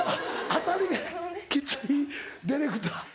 当たりがきついディレクター？